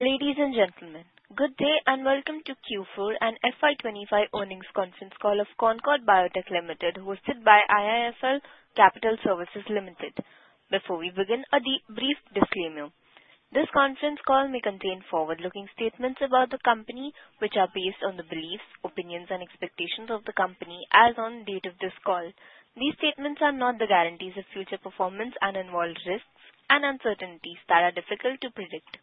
Ladies and gentlemen, good day and welcome to Q4 and FY25 Earnings Conference Call of Concord Biotech Limited, hosted by IISL Capital Services Limited. Before we begin, a brief disclaimer. This conference call may contain forward-looking statements about the company, which are based on the beliefs, opinions, and expectations of the company as of the date of this call. These statements are not the guarantees of future performance and involve risks and uncertainties that are difficult to predict.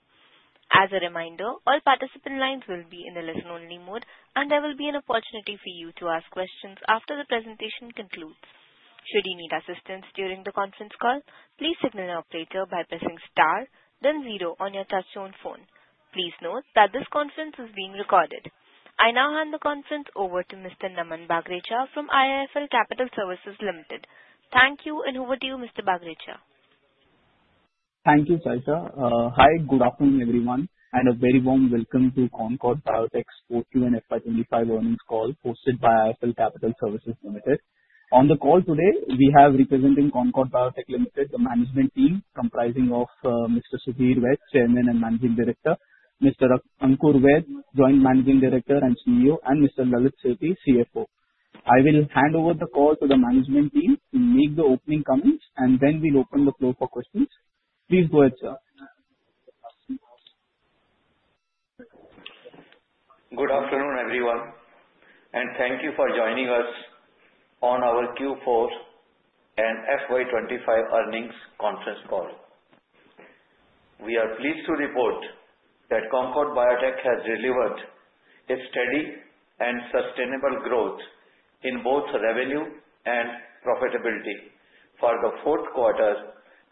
As a reminder, all participant lines will be in a listen-only mode, and there will be an opportunity for you to ask questions after the presentation concludes. Should you need assistance during the conference call, please signal your operator by pressing star, then zero on your touch-tone phone. Please note that this conference is being recorded. I now hand the conference over to Mr. Naman Bagrecha from IISL Capital Services Limited. Thank you, and over to you, Mr. Bagrecha. Thank you, Sasha. Hi, good afternoon, everyone, and a very warm welcome to Concord Biotech's fourth Q&A for 2025 earnings call hosted by IISL Capital Services Limited. On the call today, we have representing Concord Biotech Limited, the management team comprising of Mr. Sudhir Mehta, Chairman and Managing Director; Mr. Ankur Vaid, Joint Managing Director and CEO; and Mr. Lalit Sethi, CFO. I will hand over the call to the management team to make the opening comments, and then we'll open the floor for questions. Please go ahead, sir. Good afternoon, everyone, and thank you for joining us on our Q4 and FY2025 earnings conference call. We are pleased to report that Concord Biotech has delivered a steady and sustainable growth in both revenue and profitability for the fourth quarter,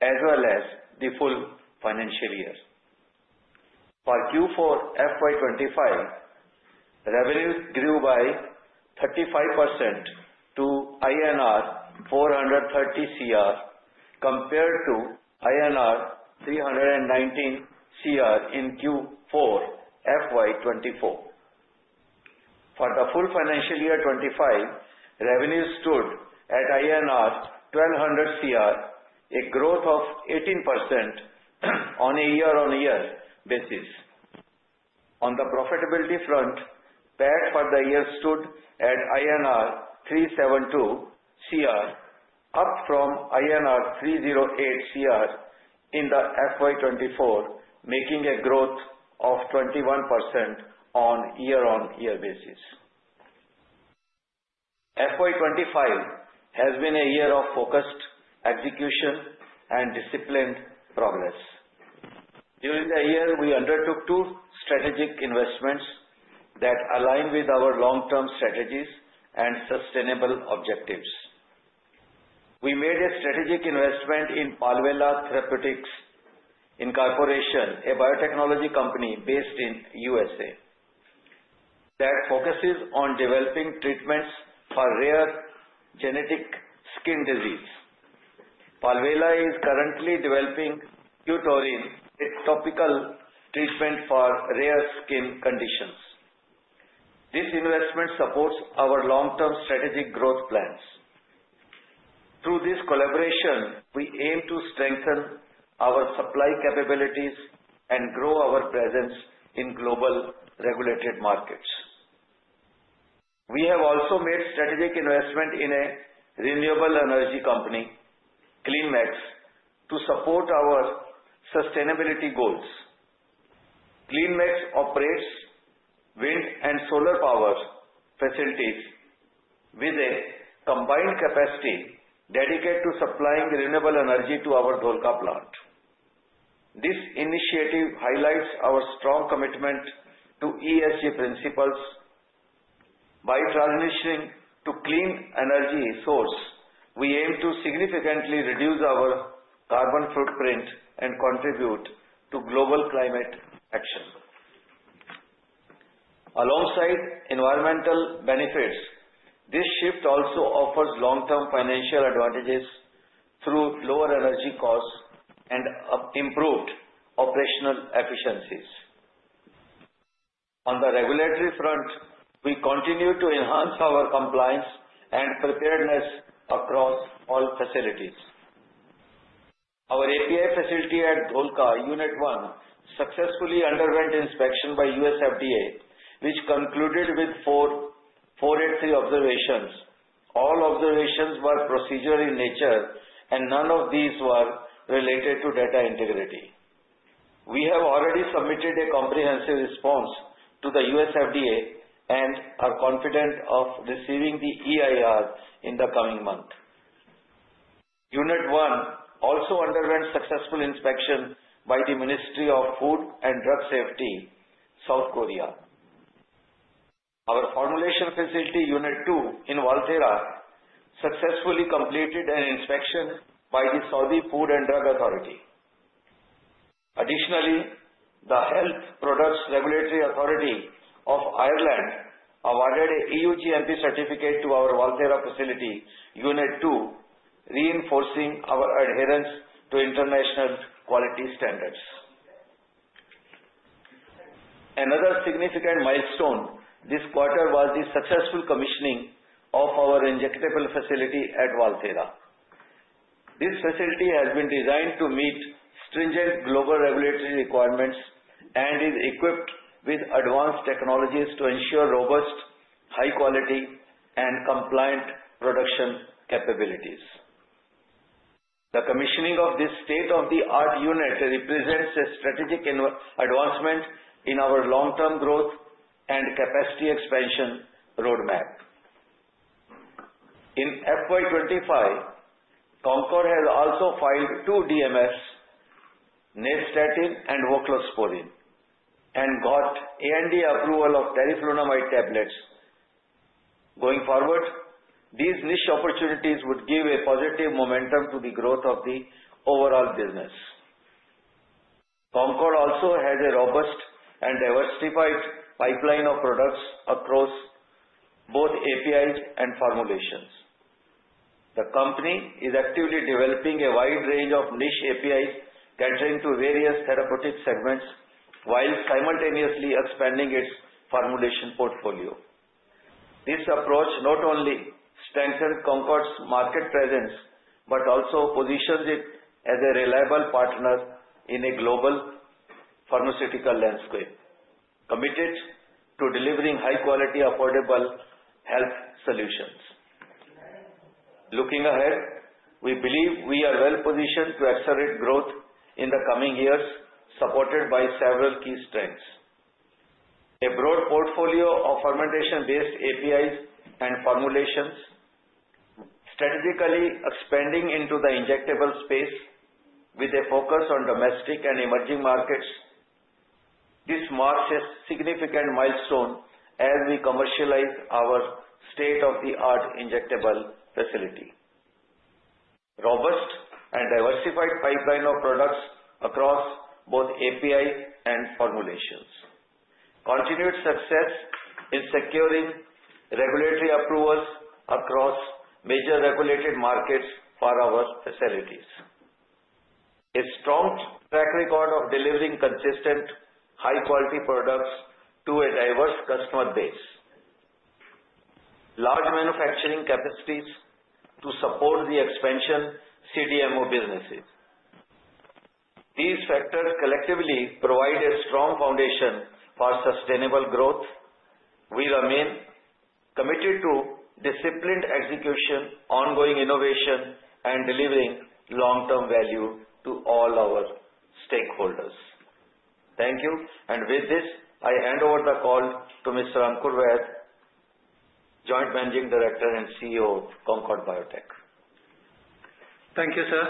as well as the full financial year. For Q4, FY2025, revenue grew by 35% to INR 430 crore compared to INR 319 crore in Q4, FY2024. For the full financial year 2025, revenue stood at INR 1,200 crore, a growth of 18% on a year-on-year basis. On the profitability front, PAT for the year stood at INR 372 crore, up from INR 308 crore in FY2024, making a growth of 21% on a year-on-year basis. FY2025 has been a year of focused execution and disciplined progress. During the year, we undertook two strategic investments that align with our long-term strategies and sustainable objectives. We made a strategic investment in Palwela Therapeutics, a biotechnology company based in the USA that focuses on developing treatments for rare genetic skin diseases. Palwela is currently developing Q-Torin, a topical treatment for rare skin conditions. This investment supports our long-term strategic growth plans. Through this collaboration, we aim to strengthen our supply capabilities and grow our presence in global regulated markets. We have also made a strategic investment in a renewable energy company, CleanMax, to support our sustainability goals. CleanMax operates wind and solar power facilities with a combined capacity dedicated to supplying renewable energy to our Dholka plant. This initiative highlights our strong commitment to ESG principles. By transitioning to clean energy sources, we aim to significantly reduce our carbon footprint and contribute to global climate action. Alongside environmental benefits, this shift also offers long-term financial advantages through lower energy costs and improved operational efficiencies. On the regulatory front, we continue to enhance our compliance and preparedness across all facilities. Our API facility at Dholka, Unit 1, successfully underwent inspection by US FDA, which concluded with 483 observations. All observations were procedural in nature, and none of these were related to data integrity. We have already submitted a comprehensive response to the US FDA and are confident of receiving the EIR in the coming month. Unit 1 also underwent successful inspection by the Ministry of Food and Drug Safety, South Korea. Our formulation facility, Unit 2 in Vatva, successfully completed an inspection by the Saudi Food and Drug Authority. Additionally, the Health Products Regulatory Authority of Ireland awarded an EU GMP certificate to our Vatva facility, Unit 2, reinforcing our adherence to international quality standards. Another significant milestone this quarter was the successful commissioning of our injectable facility at Vatva. This facility has been designed to meet stringent global regulatory requirements and is equipped with advanced technologies to ensure robust, high-quality, and compliant production capabilities. The commissioning of this state-of-the-art unit represents a strategic advancement in our long-term growth and capacity expansion roadmap. In FY 2025, Concord has also filed two DMFs, Nystatin and Voclosporin, and got ANDA approval of teriflunomide tablets. Going forward, these niche opportunities would give a positive momentum to the growth of the overall business. Concord also has a robust and diversified pipeline of products across both APIs and formulations. The company is actively developing a wide range of niche APIs catering to various therapeutic segments while simultaneously expanding its formulation portfolio. This approach not only strengthens Concord's market presence but also positions it as a reliable partner in a global pharmaceutical landscape committed to delivering high-quality, affordable health solutions. Looking ahead, we believe we are well positioned to accelerate growth in the coming years, supported by several key strengths: a broad portfolio of fermentation-based APIs and formulations, strategically expanding into the injectable space with a focus on domestic and emerging markets. This marks a significant milestone as we commercialize our state-of-the-art injectable facility. Robust and diversified pipeline of products across both APIs and formulations. Continued success in securing regulatory approvals across major regulated markets for our facilities. A strong track record of delivering consistent, high-quality products to a diverse customer base. Large manufacturing capacities to support the expansion of CDMO businesses. These factors collectively provide a strong foundation for sustainable growth. We remain committed to disciplined execution, ongoing innovation, and delivering long-term value to all our stakeholders. Thank you, and with this, I hand over the call to Mr. Ankur Mehta, Joint Managing Director and CEO of Concord Biotech. Thank you, sir.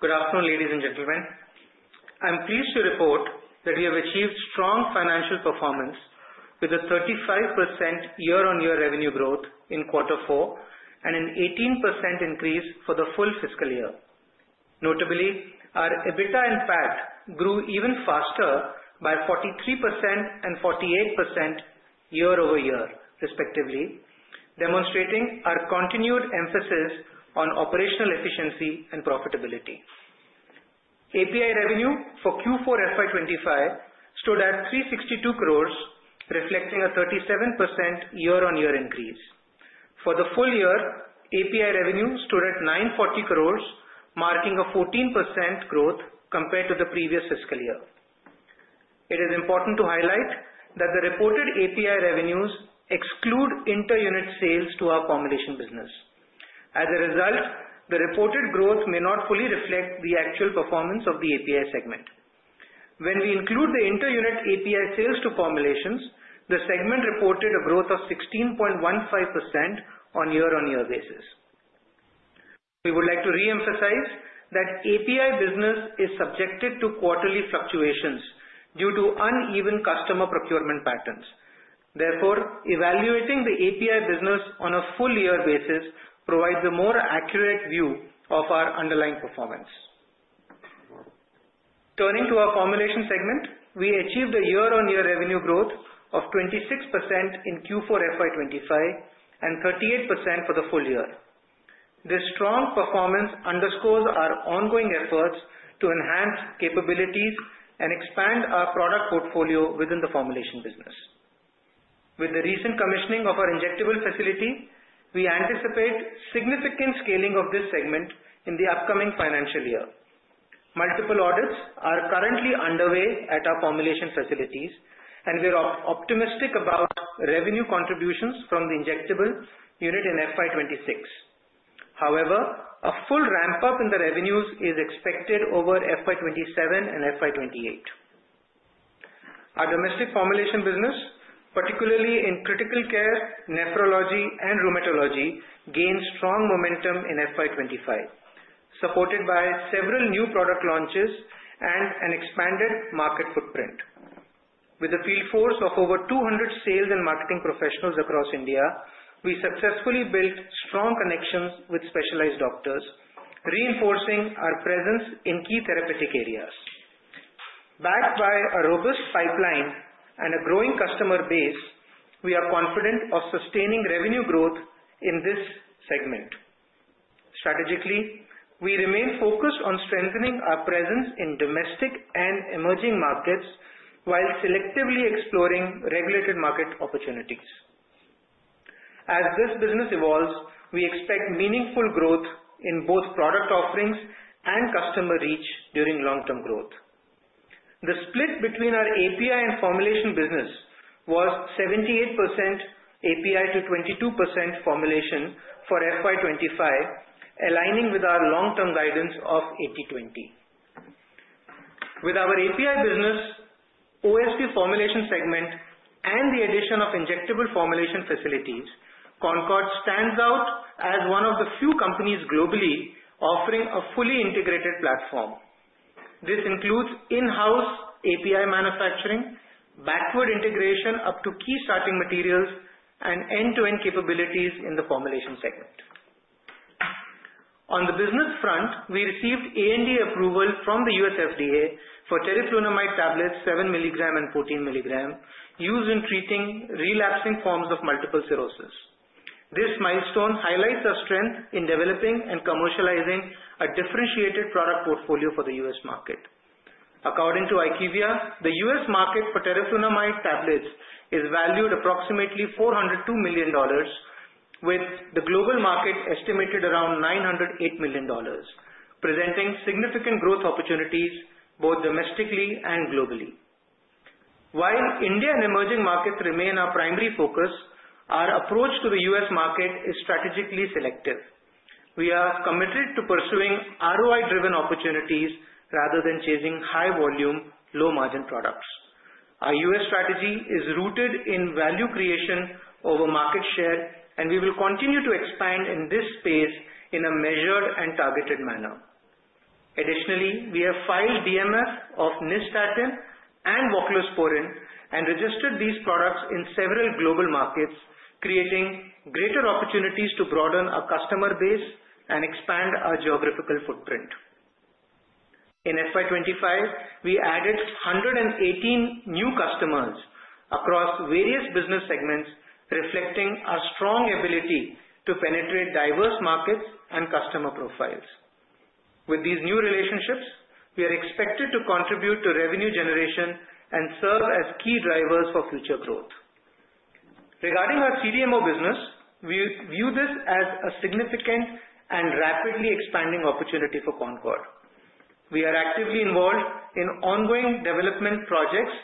Good afternoon, ladies and gentlemen. I'm pleased to report that we have achieved strong financial performance with a 35% year-on-year revenue growth in Q4 and an 18% increase for the full fiscal year. Notably, our EBITDA and PAT grew even faster by 43% and 48% year-over-year, respectively, demonstrating our continued emphasis on operational efficiency and profitability. API revenue for Q4 FY25 stood at 362 crore, reflecting a 37% year-on-year increase. For the full year, API revenue stood at 940 crore, marking a 14% growth compared to the previous fiscal year. It is important to highlight that the reported API revenues exclude inter-unit sales to our formulation business. As a result, the reported growth may not fully reflect the actual performance of the API segment. When we include the inter-unit API sales to formulations, the segment reported a growth of 16.15% on a year-on-year basis. We would like to re-emphasize that API business is subjected to quarterly fluctuations due to uneven customer procurement patterns. Therefore, evaluating the API business on a full-year basis provides a more accurate view of our underlying performance. Turning to our formulation segment, we achieved a year-on-year revenue growth of 26% in Q4 FY25 and 38% for the full year. This strong performance underscores our ongoing efforts to enhance capabilities and expand our product portfolio within the formulation business. With the recent commissioning of our injectable facility, we anticipate significant scaling of this segment in the upcoming financial year. Multiple audits are currently underway at our formulation facilities, and we are optimistic about revenue contributions from the injectable unit in FY26. However, a full ramp-up in the revenues is expected over FY27 and FY28. Our domestic formulation business, particularly in critical care, nephrology, and rheumatology, gains strong momentum in FY25, supported by several new product launches and an expanded market footprint. With a field force of over 200 sales and marketing professionals across India, we successfully built strong connections with specialized doctors, reinforcing our presence in key therapeutic areas. Backed by a robust pipeline and a growing customer base, we are confident of sustaining revenue growth in this segment. Strategically, we remain focused on strengthening our presence in domestic and emerging markets while selectively exploring regulated market opportunities. As this business evolves, we expect meaningful growth in both product offerings and customer reach during long-term growth. The split between our API and formulation business was 78% API to 22% formulation for FY25, aligning with our long-term guidance of 80/20. With our API business, OSP formulation segment, and the addition of injectable formulation facilities, Concord stands out as one of the few companies globally offering a fully integrated platform. This includes in-house API manufacturing, backward integration up to key starting materials, and end-to-end capabilities in the formulation segment. On the business front, we received ANDA approval from the USFDA for teriflunomide tablets, 7 mg and 14 mg, used in treating relapsing forms of multiple sclerosis. This milestone highlights our strength in developing and commercializing a differentiated product portfolio for the U.S. market. According to IQVIA, the U.S. market for teriflunomide tablets is valued at approximately $402 million, with the global market estimated around $908 million, presenting significant growth opportunities both domestically and globally. While India and emerging markets remain our primary focus, our approach to the U.S. market is strategically selective. We are committed to pursuing ROI-driven opportunities rather than chasing high-volume, low-margin products. Our U.S. strategy is rooted in value creation over market share, and we will continue to expand in this space in a measured and targeted manner. Additionally, we have filed DMF of Nystatin and Voclosporin and registered these products in several global markets, creating greater opportunities to broaden our customer base and expand our geographical footprint. In FY 2025, we added 118 new customers across various business segments, reflecting our strong ability to penetrate diverse markets and customer profiles. With these new relationships, we are expected to contribute to revenue generation and serve as key drivers for future growth. Regarding our CDMO business, we view this as a significant and rapidly expanding opportunity for Concord. We are actively involved in ongoing development projects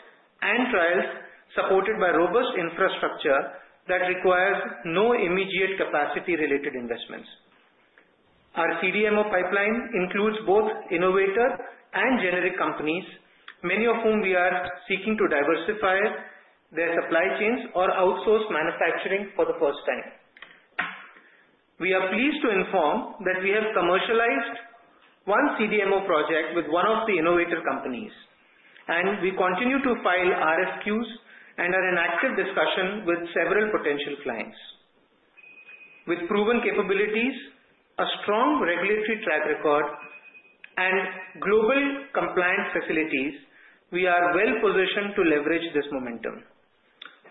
and trials supported by robust infrastructure that requires no immediate capacity-related investments. Our CDMO pipeline includes both innovator and generic companies, many of whom are seeking to diversify their supply chains or outsource manufacturing for the first time. We are pleased to inform that we have commercialized one CDMO project with one of the innovator companies, and we continue to file RFQs and are in active discussion with several potential clients. With proven capabilities, a strong regulatory track record, and global compliance facilities, we are well positioned to leverage this momentum.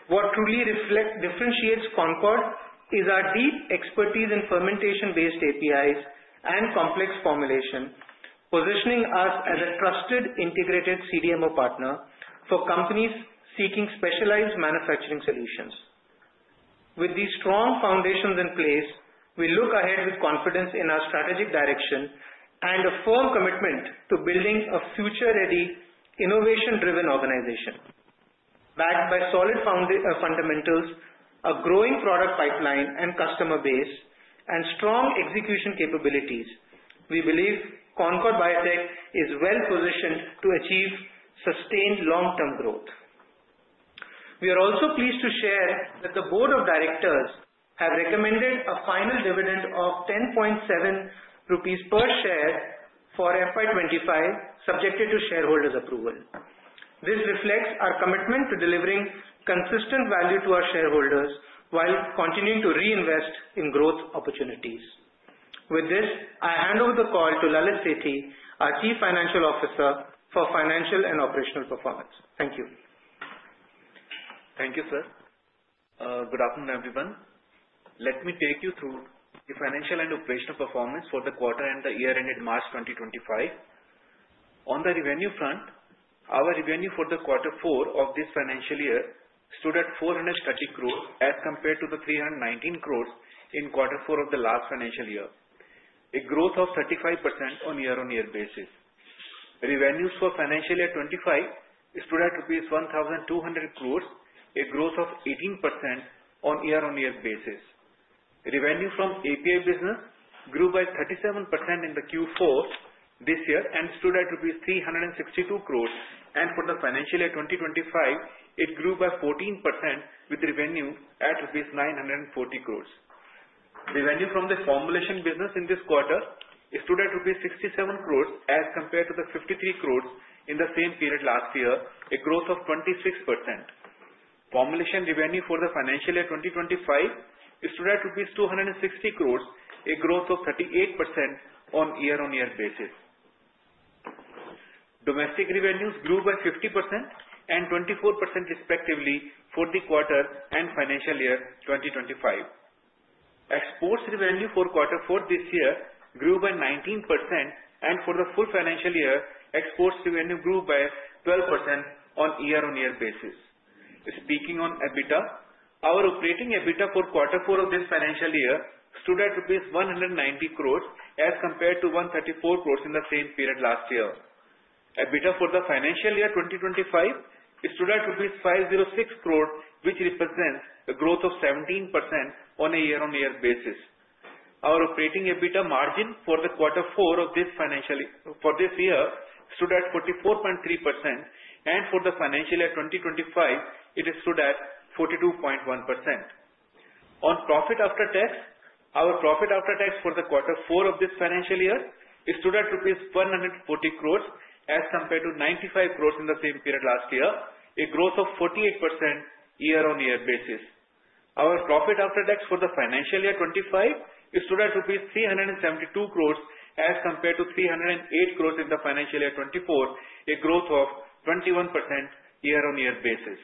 What truly differentiates Concord is our deep expertise in fermentation-based APIs and complex formulation, positioning us as a trusted integrated CDMO partner for companies seeking specialized manufacturing solutions. With these strong foundations in place, we look ahead with confidence in our strategic direction and a firm commitment to building a future-ready, innovation-driven organization. Backed by solid fundamentals, a growing product pipeline, and customer base, and strong execution capabilities, we believe Concord Biotech is well positioned to achieve sustained long-term growth. We are also pleased to share that the Board of Directors have recommended a final dividend of 10.7 rupees per share for FY 2025, subject to shareholders' approval. This reflects our commitment to delivering consistent value to our shareholders while continuing to reinvest in growth opportunities. With this, I hand over the call to Lalit Sethi, our Chief Financial Officer for Financial and Operational Performance. Thank you. Thank you, sir. Good afternoon, everyone. Let me take you through the financial and operational performance for the quarter ended March 2025. On the revenue front, our revenue for the Q4 of this financial year stood at 430 crore as compared to the 319 crore in Q4 of the last financial year, a growth of 35% on a year-on-year basis. Revenues for financial year 2025 stood at 1,200 crore, a growth of 18% on a year-on-year basis. Revenue from API business grew by 37% in Q4 this year and stood at rupees 362 crore, and for the financial year 2025, it grew by 14% with revenue at rupees 940 crore. Revenue from the formulation business in this quarter stood at rupees 67 crore as compared to the 53 crore in the same period last year, a growth of 26%. Formulation revenue for the financial year 2025 stood at INR 260 crore, a growth of 38% on a year-on-year basis. Domestic revenues grew by 50% and 24% respectively for the quarter and financial year 2025. Exports revenue for Q4 this year grew by 19%, and for the full financial year, exports revenue grew by 12% on a year-on-year basis. Speaking on EBITDA, our operating EBITDA for Q4 of this financial year stood at rupees 190 crore as compared to 134 crore in the same period last year. EBITDA for the financial year 2025 stood at 506 crore, which represents a growth of 17% on a year-on-year basis. Our operating EBITDA margin for Q4 of this year stood at 44.3%, and for the financial year 2025, it stood at 42.1%. On profit after tax, our profit after tax for Q4 of this financial year stood at rupees 140 crore as compared to 95 crore in the same period last year, a growth of 48% year-on-year basis. Our profit after tax for financial year 2025 stood at rupees 372 crore as compared to 308 crore in financial year 2024, a growth of 21% year-on-year basis.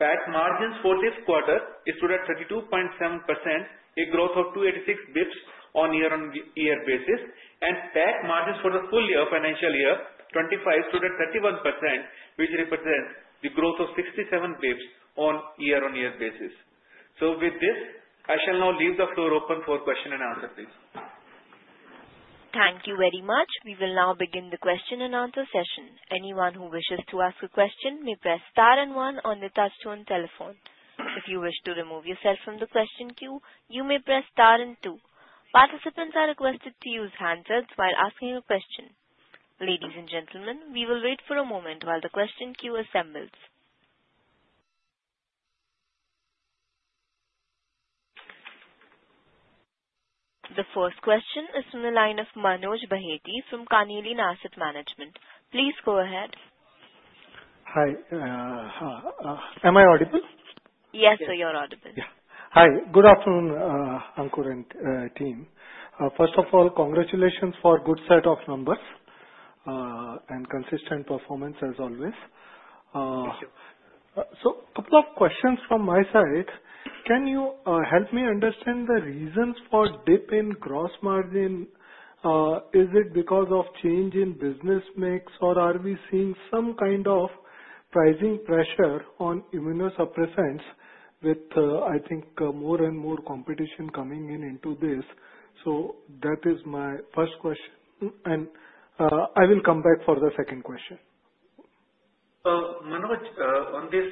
PAT margins for this quarter stood at 32.7%, a growth of 286 basis points on a year-on-year basis, and PAT margins for the full financial year 2025 stood at 31%, which represents a growth of 67 basis points on a year-on-year basis. With this, I shall now leave the floor open for question and answer, please. Thank you very much. We will now begin the question and answer session. Anyone who wishes to ask a question may press star and one on the touch-tone telephone. If you wish to remove yourself from the question queue, you may press star and two. Participants are requested to use handsets while asking a question. Ladies and gentlemen, we will wait for a moment while the question queue assembles. The first question is from the line of Manoj Behura from Canara Bank AMC. Please go ahead. Hi. Am I audible? Yes, sir, you're audible. Yeah. Hi. Good afternoon, Ankur and team. First of all, congratulations for a good set of numbers and consistent performance as always. A couple of questions from my side. Can you help me understand the reasons for dip in gross margin? Is it because of change in business mix, or are we seeing some kind of pricing pressure on immunosuppressants with, I think, more and more competition coming into this? That is my first question. I will come back for the second question. Manoj, on this,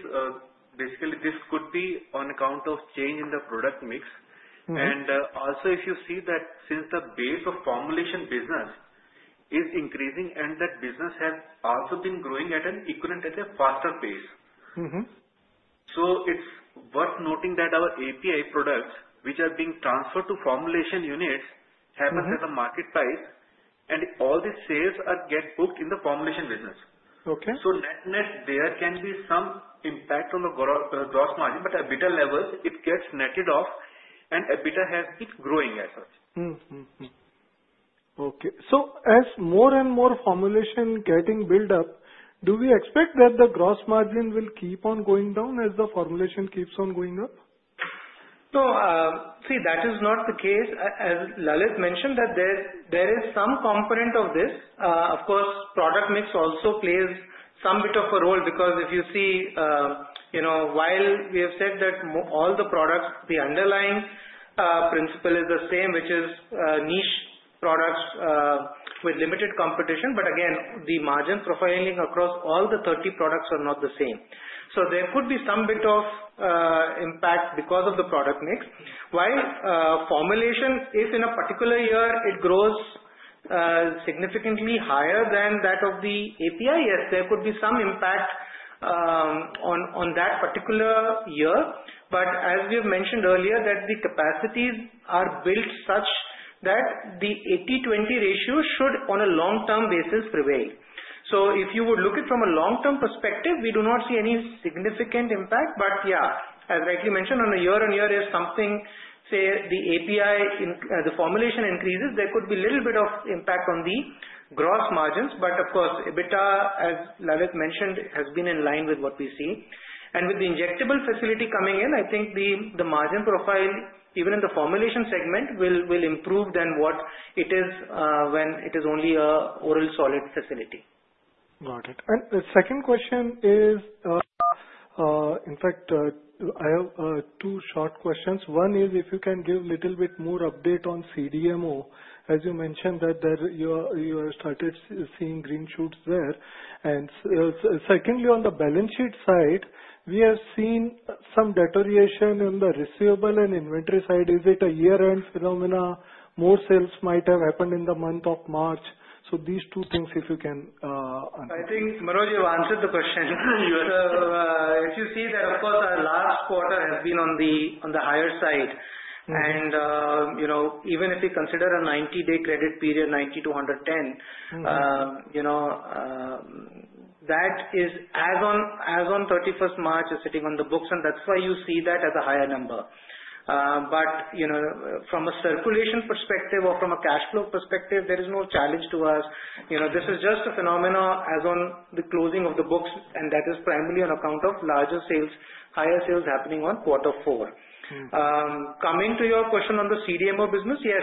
basically, this could be on account of change in the product mix. Also, if you see that since the base of formulation business is increasing and that business has also been growing at an equivalent at a faster pace, it is worth noting that our API products, which are being transferred to formulation units, have a certain market price, and all the sales get booked in the formulation business. Net-net there can be some impact on the gross margin, but at EBITDA level, it gets netted off, and EBITDA has been growing as such. Okay. As more and more formulation getting built up, do we expect that the gross margin will keep on going down as the formulation keeps on going up? No. See, that is not the case. As Lalit mentioned, there is some component of this. Of course, product mix also plays some bit of a role because if you see, while we have said that all the products, the underlying principle is the same, which is niche products with limited competition. Again, the margin profiling across all the 30 products are not the same. There could be some bit of impact because of the product mix. While formulation, if in a particular year it grows significantly higher than that of the API, yes, there could be some impact on that particular year. As we have mentioned earlier, the capacities are built such that the 80/20 ratio should, on a long-term basis, prevail. If you would look at it from a long-term perspective, we do not see any significant impact. Yeah, as rightly mentioned, on a year-on-year, if something, say, the API, the formulation increases, there could be a little bit of impact on the gross margins. Of course, EBITDA, as Lalit mentioned, has been in line with what we see. With the injectable facility coming in, I think the margin profile, even in the formulation segment, will improve than what it is when it is only an oral solid facility. Got it. The second question is, in fact, I have two short questions. One is if you can give a little bit more update on CDMO. As you mentioned that you have started seeing green shoots there. Secondly, on the balance sheet side, we have seen some deterioration in the receivable and inventory side. Is it a year-end phenomenon? More sales might have happened in the month of March. These two things, if you can answer. I think, Manoj, you've answered the question. If you see that, of course, our last quarter has been on the higher side. Even if you consider a 90-day credit period, 90-110, that is as on 31st March as sitting on the books, and that's why you see that as a higher number. From a circulation perspective or from a cash flow perspective, there is no challenge to us. This is just a phenomena as on the closing of the books, and that is primarily on account of larger sales, higher sales happening on quarter four. Coming to your question on the CDMO business, yes,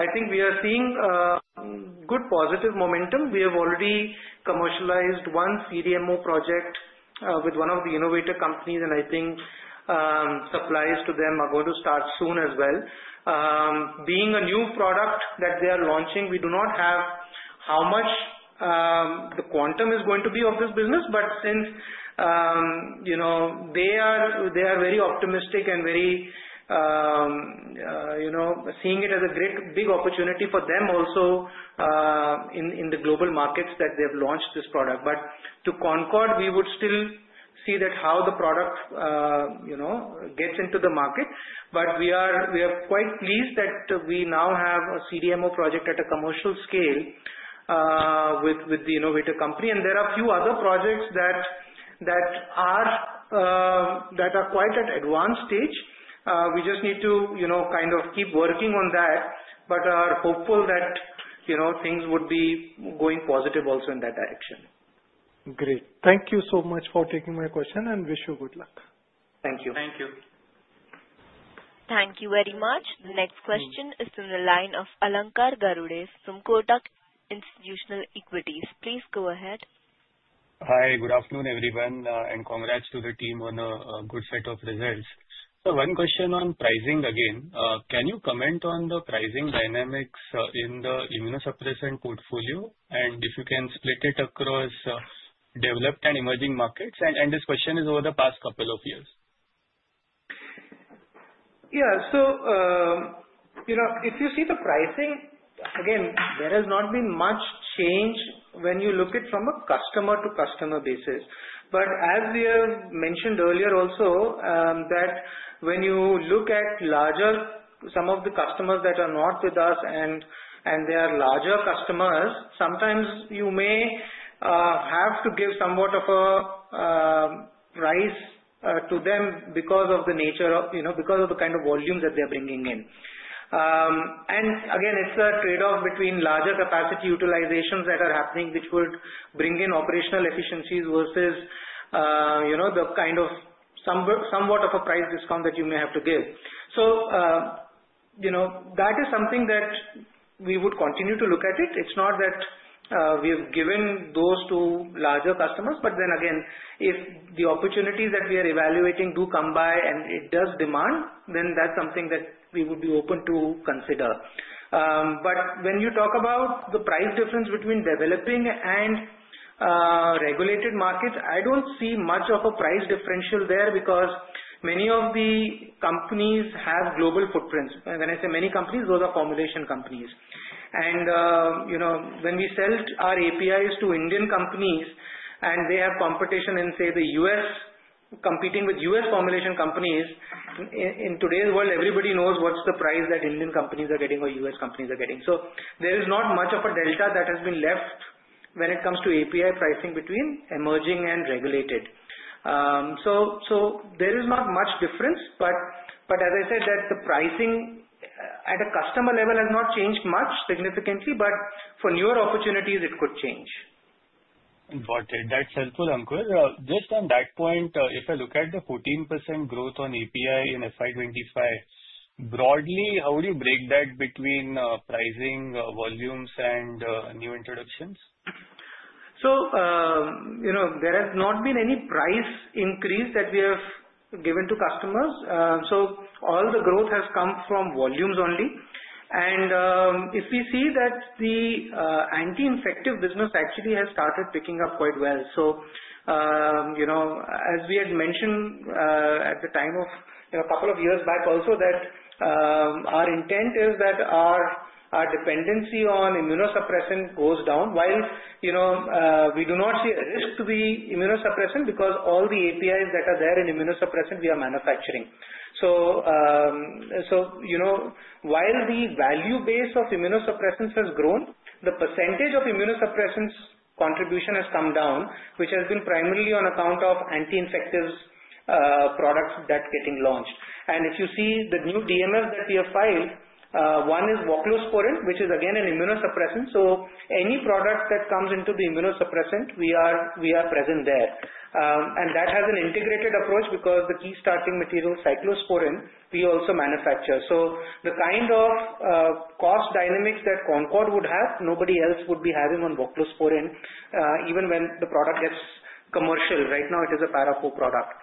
I think we are seeing good positive momentum. We have already commercialized one CDMO project with one of the innovator companies, and I think supplies to them are going to start soon as well. Being a new product that they are launching, we do not have how much the quantum is going to be of this business, but since they are very optimistic and seeing it as a big opportunity for them also in the global markets that they have launched this product. To Concord, we would still see how the product gets into the market. We are quite pleased that we now have a CDMO project at a commercial scale with the innovator company. There are a few other projects that are quite at an advanced stage. We just need to kind of keep working on that but are hopeful that things would be going positive also in that direction. Great. Thank you so much for taking my question and wish you good luck. Thank you. Thank you. Thank you very much. The next question is from the line of Alankar Garude from Kotak Institutional Equities. Please go ahead. Hi. Good afternoon, everyone, and congrats to the team on a good set of results. One question on pricing again. Can you comment on the pricing dynamics in the immunosuppressant portfolio and if you can split it across developed and emerging markets? This question is over the past couple of years. Yeah. If you see the pricing, again, there has not been much change when you look at it from a customer-to-customer basis. As we have mentioned earlier also, when you look at some of the customers that are not with us and they are larger customers, sometimes you may have to give somewhat of a rise to them because of the nature of, because of the kind of volume that they are bringing in. Again, it's a trade-off between larger capacity utilizations that are happening, which would bring in operational efficiencies versus the kind of somewhat of a price discount that you may have to give. That is something that we would continue to look at. It's not that we have given those to larger customers. If the opportunities that we are evaluating do come by and it does demand, then that's something that we would be open to consider. When you talk about the price difference between developing and regulated markets, I do not see much of a price differential there because many of the companies have global footprints. When I say many companies, those are formulation companies. When we sell our APIs to Indian companies and they have competition in, say, the U.S., competing with U.S. formulation companies, in today's world, everybody knows what is the price that Indian companies are getting or U.S. companies are getting. There is not much of a delta that has been left when it comes to API pricing between emerging and regulated. There is not much difference. As I said, the pricing at a customer level has not changed much significantly, but for newer opportunities, it could change. Got it. That's helpful, Ankur. Just on that point, if I look at the 14% growth on API in FY25, broadly, how would you break that between pricing, volumes, and new introductions? There has not been any price increase that we have given to customers. All the growth has come from volumes only. If we see, the anti-infective business actually has started picking up quite well. As we had mentioned a couple of years back also, our intent is that our dependency on immunosuppressant goes down while we do not see a risk to the immunosuppressant because all the APIs that are there in immunosuppressant, we are manufacturing. While the value base of immunosuppressants has grown, the percentage of immunosuppressants contribution has come down, which has been primarily on account of anti-infective products that are getting launched. If you see the new DMF that we have filed, one is voclosporin, which is again an immunosuppressant. Any product that comes into the immunosuppressant, we are present there. That has an integrated approach because the key starting material cyclosporin, we also manufacture. The kind of cost dynamics that Concord would have, nobody else would be having on voclosporin, even when the product gets commercial. Right now, it is a para-IV product.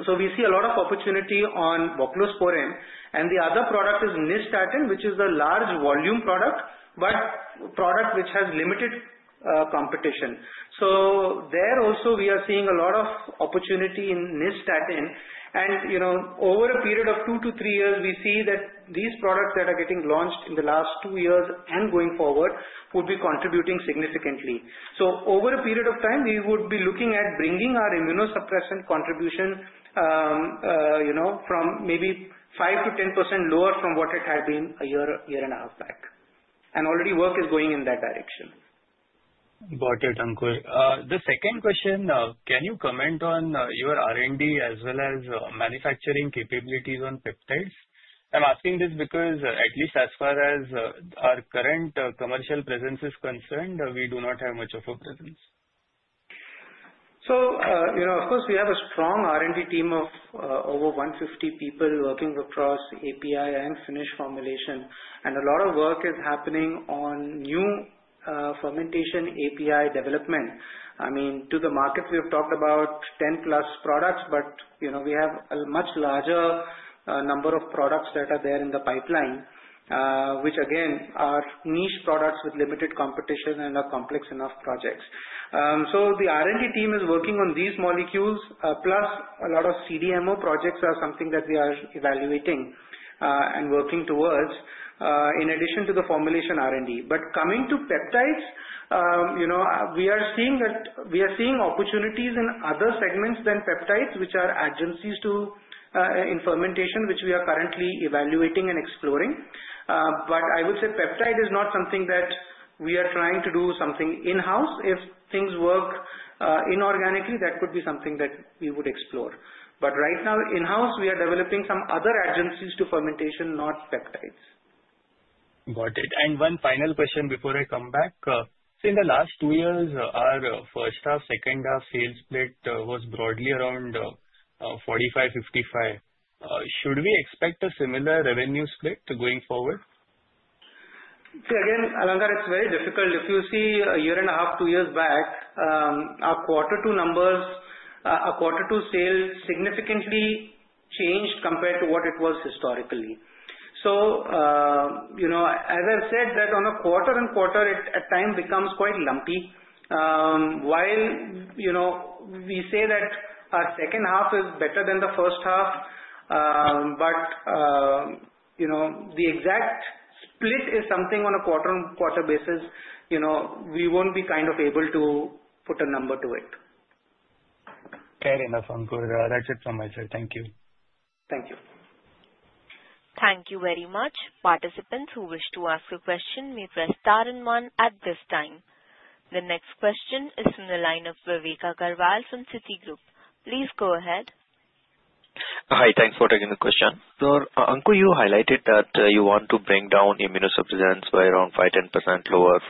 We see a lot of opportunity on voclosporin. The other product is nystatin, which is a large volume product, but a product which has limited competition. There also, we are seeing a lot of opportunity in nystatin. Over a period of two to three years, we see that these products that are getting launched in the last two years and going forward would be contributing significantly. Over a period of time, we would be looking at bringing our immunosuppressant contribution from maybe 5%-10% lower from what it had been a year and a half back. Already work is going in that direction. Got it, Ankur. The second question, can you comment on your R&D as well as manufacturing capabilities on peptides? I'm asking this because at least as far as our current commercial presence is concerned, we do not have much of a presence. Of course, we have a strong R&D team of over 150 people working across API and finished formulation. A lot of work is happening on new fermentation API development. I mean, to the market, we have talked about 10-plus products, but we have a much larger number of products that are there in the pipeline, which again are niche products with limited competition and are complex enough projects. The R&D team is working on these molecules, plus a lot of CDMO projects are something that we are evaluating and working towards in addition to the formulation R&D. Coming to peptides, we are seeing opportunities in other segments than peptides, which are adjuncts in fermentation, which we are currently evaluating and exploring. I would say peptide is not something that we are trying to do something in-house. If things work inorganically, that could be something that we would explore. Right now, in-house, we are developing some other adjuncts to fermentation, not peptides. Got it. One final question before I come back. In the last two years, our first half, second half sales split was broadly around 45%, 55%. Should we expect a similar revenue split going forward? See, again, Alankar, it's very difficult. If you see a year and a half, two years back, our quarter two numbers, our quarter two sales significantly changed compared to what it was historically. As I've said, that on a quarter on quarter, at time, becomes quite lumpy. While we say that our second half is better than the first half, the exact split is something on a quarter-on-quarter basis, we won't be kind of able to put a number to it. Fair enough, Ankur. That's it from my side. Thank you. Thank you. Thank you very much. Participants who wish to ask a question may press star and one at this time. The next question is from the line of Vivek Agrawal from Citigroup. Please go ahead. Hi. Thanks for taking the question. Ankur, you highlighted that you want to bring down immunosuppressants by around 5%-10% lower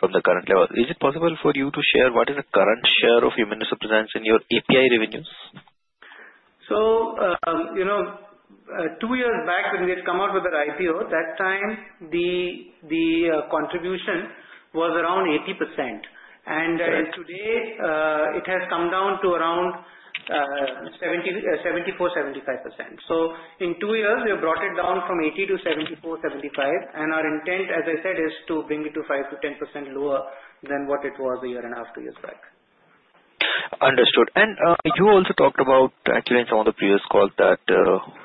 from the current level. Is it possible for you to share what is the current share of immunosuppressants in your API revenues? Two years back, when we had come out with our IPO, that time, the contribution was around 80%. Today, it has come down to around 74-75%. In two years, we have brought it down from 80% to 74-75%. Our intent, as I said, is to bring it to 5-10% lower than what it was a year and a half, two years back. Understood. You also talked about, actually, in some of the previous calls, that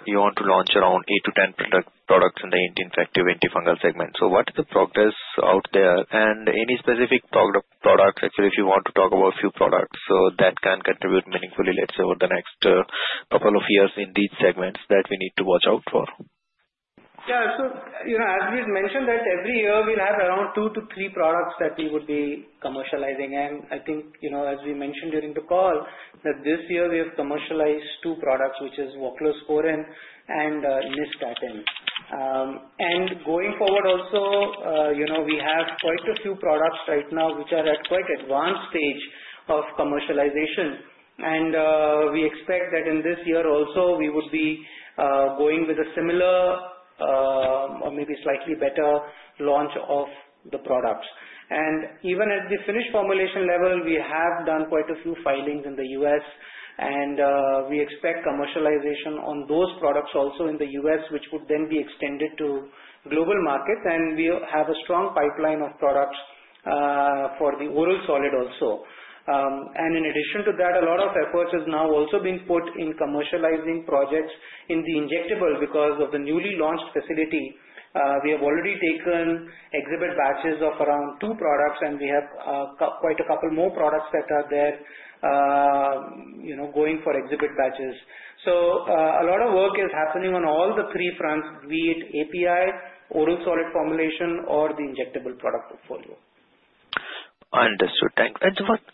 you want to launch around 8-10 products in the anti-infective, antifungal segment. What is the progress out there? Any specific products, actually, if you want to talk about a few products that can contribute meaningfully, let's say, over the next couple of years in these segments that we need to watch out for? Yeah. As we had mentioned, every year, we'll have around two to three products that we would be commercializing. I think, as we mentioned during the call, this year, we have commercialized two products, which are voclosporin and nystatin. Going forward also, we have quite a few products right now which are at quite an advanced stage of commercialization. We expect that in this year also, we would be going with a similar or maybe slightly better launch of the products. Even at the finished formulation level, we have done quite a few filings in the U.S. We expect commercialization on those products also in the U.S., which would then be extended to global markets. We have a strong pipeline of products for the oral solid also. In addition to that, a lot of efforts are now also being put in commercializing projects in the injectable because of the newly launched facility. We have already taken exhibit batches of around two products, and we have quite a couple more products that are there going for exhibit batches. A lot of work is happening on all the three fronts, be it API, oral solid formulation, or the injectable product portfolio. Understood. Thanks.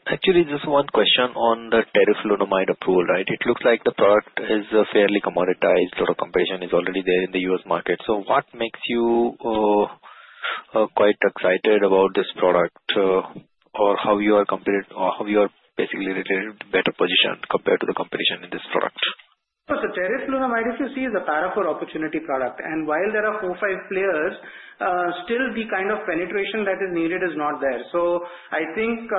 Actually, just one question on the teriflunomide approval, right? It looks like the product is fairly commoditized. A lot of competition is already there in the U.S. market. What makes you quite excited about this product or how you are basically in a better position compared to the competition in this product? The teriflunomide, if you see, is a para-IV opportunity product. While there are four or five players, still the kind of penetration that is needed is not there. I think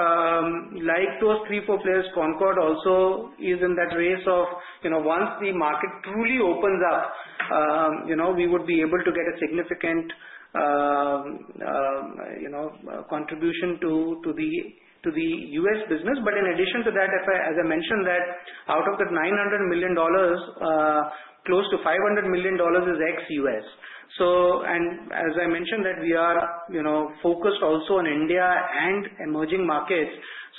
like those three or four players, Concord also is in that race of once the market truly opens up, we would be able to get a significant contribution to the U.S. business. In addition to that, as I mentioned, out of that $900 million, close to $500 million is ex-U.S. As I mentioned, we are focused also on India and emerging markets.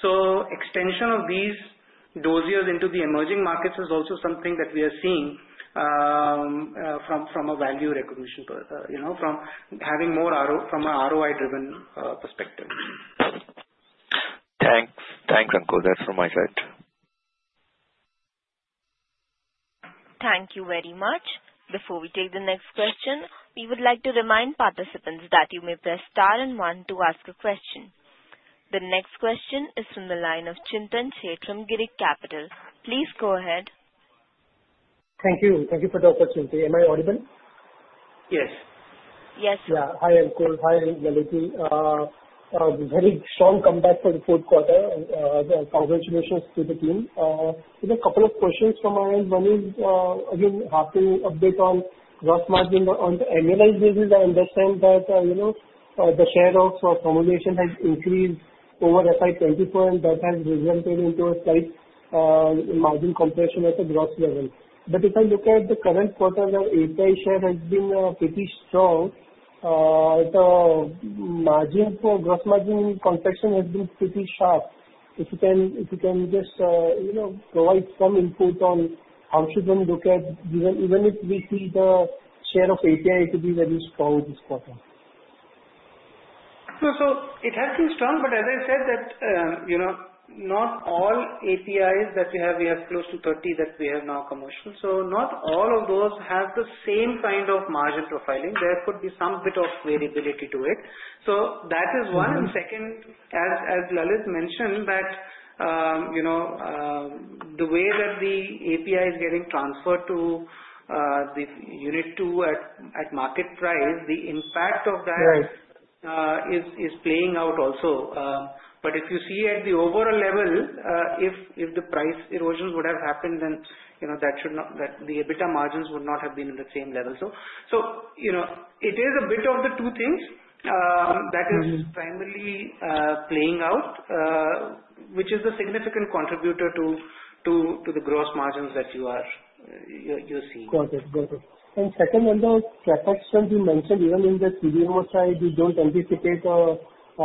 Extension of these dosages into the emerging markets is also something that we are seeing from a value recognition, from having more ROI from an ROI-driven perspective. Thanks. Thanks, Ankur. That's from my side. Thank you very much. Before we take the next question, we would like to remind participants that you may press star and one to ask a question. The next question is from the line of Chintan Chheda from Giriraj Capital. Please go ahead. Thank you. Thank you for the opportunity. Am I audible? Yes. Yes. Yeah. Hi, Ankur. Hi, Maliki. Very strong comeback for the fourth quarter. Congratulations to the team. I have a couple of questions from my end. One is, again, halfway update on gross margin on the annualized basis. I understand that the share of formulation has increased over FY2024, and that has resulted in a slight margin compression at the gross level. If I look at the current quarter, the API share has been pretty strong. The margin for gross margin contraction has been pretty sharp. If you can just provide some input on how should one look at, even if we see the share of API to be very strong this quarter? It has been strong, but as I said, not all APIs that we have, we have close to 30 that we have now commercial. Not all of those have the same kind of margin profiling. There could be some bit of variability to it. That is one. Second, as Lalit mentioned, the way that the API is getting transferred to the unit two at market price, the impact of that is playing out also. If you see at the overall level, if the price erosions would have happened, then that should not, the EBITDA margins would not have been in the same level. It is a bit of the two things that is primarily playing out, which is the significant contributor to the gross margins that you are seeing. Got it. Got it. On the CapEx that you mentioned, even in the CDMO side, you do not anticipate a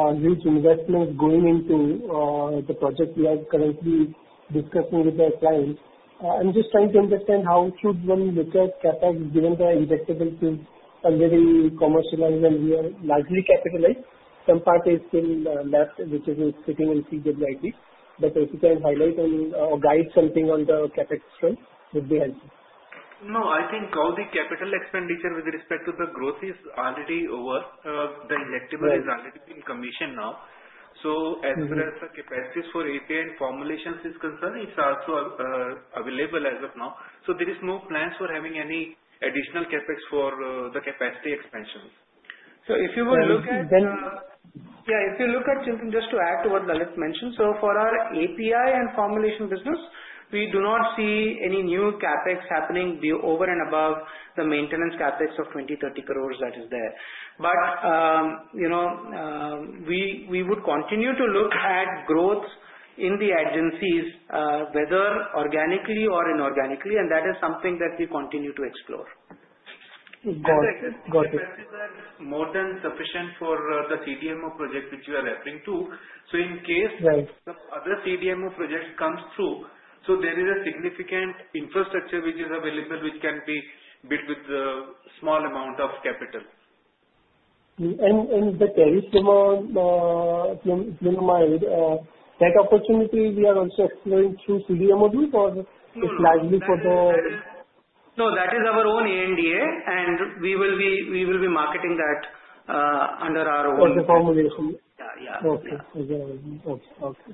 huge investment going into the project we are currently discussing with our clients. I am just trying to understand how should one look at CapEx given the injectable to a very commercialized and largely capitalized? Some part is still left, which is sitting in CWIP. If you can highlight or guide something on the CapEx split, that would be helpful. No, I think all the capital expenditure with respect to the growth is already over. The injectable is already in commission now. As far as the capacities for API and formulations is concerned, it's also available as of now. There are no plans for having any additional CapEx for the capacity expansions. If you will look at. Then. Yeah. If you look at Chintan, just to add to what Lalit mentioned, for our API and formulation business, we do not see any new CapEx happening over and above the maintenance CapEx of 20-30 crore that is there. We would continue to look at growth in the agencies, whether organically or inorganically. That is something that we continue to explore. Got it. That is more than sufficient for the CDMO project which you are referring to. In case the other CDMO project comes through, there is a significant infrastructure which is available, which can be bid with a small amount of capital. The teriflunomide tech opportunity, we are also exploring through CDMO too or it's largely for the. No, that is our own ANDA. And we will be marketing that under our own. For the formulation. Yeah. Okay.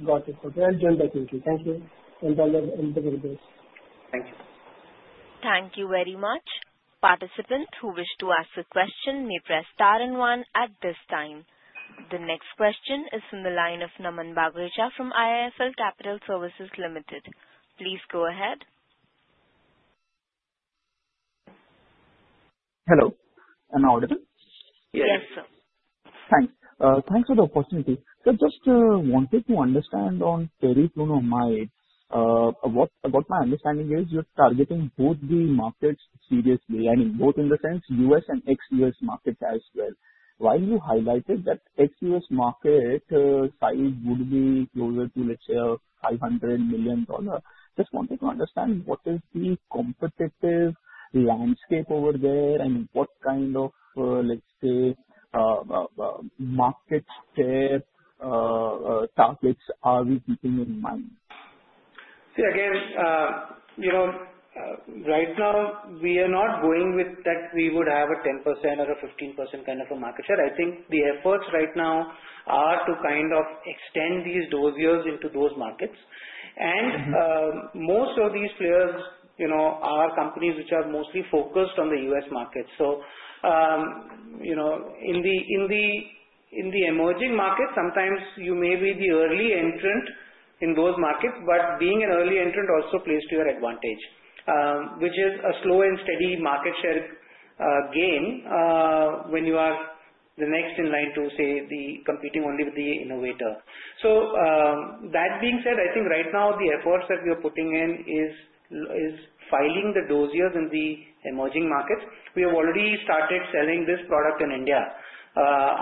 Got it. Okay. I'll join back in. Thank you. And all the very best. Thank you. Thank you very much. Participants who wish to ask a question may press star and one at this time. The next question is from the line of Naman Bagrecha from IISL Capital Services Limited. Please go ahead. Hello. Am I audible? Yes. Yes, sir. Thanks. Thanks for the opportunity. I just wanted to understand on teriflunomide. What my understanding is, you're targeting both the markets seriously. I mean, both in the sense U.S. and ex-U.S. markets as well. While you highlighted that ex-U.S. market side would be closer to, let's say, $500 million, just wanted to understand what is the competitive landscape over there and what kind of, let's say, market share targets are we keeping in mind? See, again, right now, we are not going with that we would have a 10% or a 15% kind of a market share. I think the efforts right now are to kind of extend these dose years into those markets. Most of these players are companies which are mostly focused on the U.S. market. In the emerging markets, sometimes you may be the early entrant in those markets, but being an early entrant also plays to your advantage, which is a slow and steady market share gain when you are the next in line to, say, the competing only with the innovator. That being said, I think right now, the efforts that we are putting in is filing the dose years in the emerging markets. We have already started selling this product in India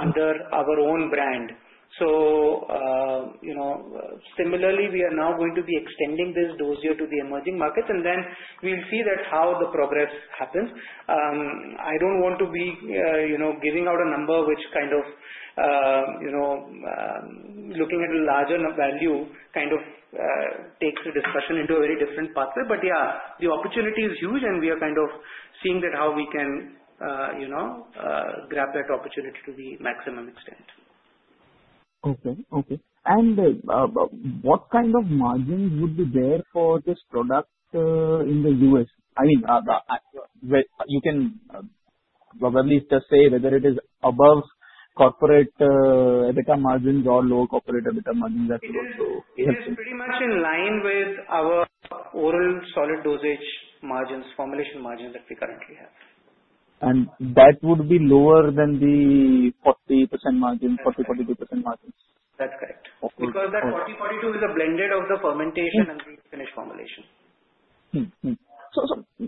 under our own brand. Similarly, we are now going to be extending this dose year to the emerging markets. And then we'll see how the progress happens. I don't want to be giving out a number which kind of looking at a larger value kind of takes the discussion into a very different pathway. But yeah, the opportunity is huge, and we are kind of seeing how we can grab that opportunity to the maximum extent. Okay. Okay. What kind of margins would be there for this product in the U.S.? I mean, you can probably just say whether it is above corporate EBITDA margins or lower corporate EBITDA margins. That would also be helpful. It's pretty much in line with our oral solid dosage margins, formulation margins that we currently have. That would be lower than the 40%-42% margins? That's correct. Because that 40-42 is a blended of the fermentation and the finished formulation.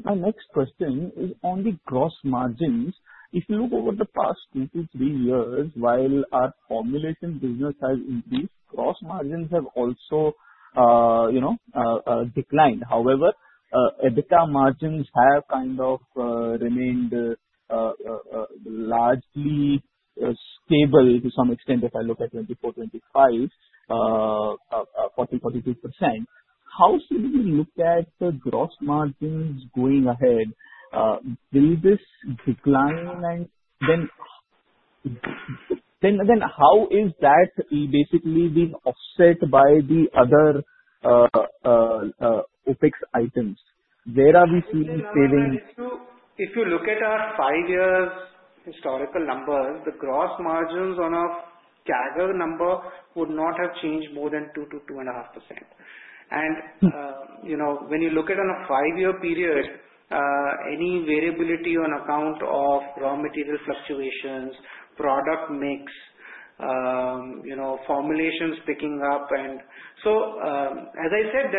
My next question is on the gross margins. If you look over the past two, two, three years, while our formulation business has increased, gross margins have also declined. However, EBITDA margins have kind of remained largely stable to some extent if I look at 2024, 2025, 40-42%. How should we look at the gross margins going ahead? Will this decline? And then how is that basically being offset by the other OpEx items? Where are we seeing savings? If you look at our five-year historical numbers, the gross margins on a CAGR number would not have changed more than 2-2.5%. When you look at a five-year period, any variability is on account of raw material fluctuations, product mix, formulations picking up. As I said,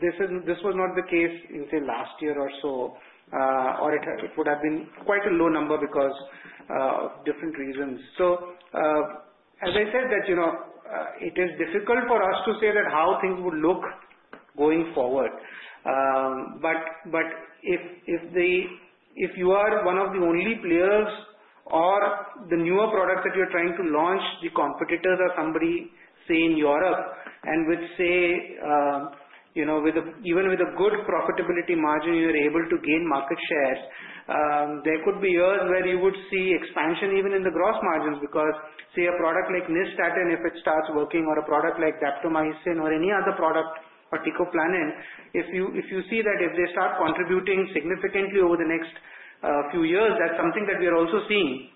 this was not the case until last year or so, or it would have been quite a low number because of different reasons. As I said, it is difficult for us to say how things would look going forward. If you are one of the only players or the newer products that you're trying to launch, the competitors are somebody, say, in Europe, and which, say, even with a good profitability margin, you're able to gain market shares, there could be years where you would see expansion even in the gross margins because, say, a product like Nystatin, if it starts working, or a product like daptomycin or any other product, or teicoplanin, if you see that if they start contributing significantly over the next few years, that's something that we are also seeing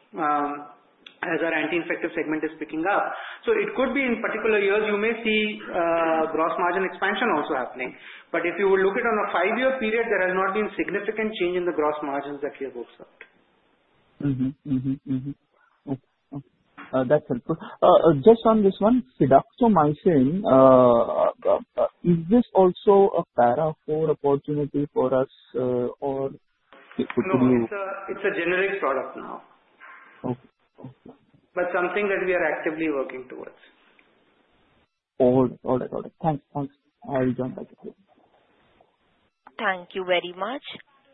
as our anti-infective segment is picking up. It could be in particular years you may see gross margin expansion also happening. If you would look at on a five-year period, there has not been significant change in the gross margins that we have observed. Okay. That's helpful. Just on this one, fidaxomicin, is this also a para-IV opportunity for us or it could be? No, it's a generic product now. It is something that we are actively working towards. All right. Thanks. I'll join back in. Thank you very much.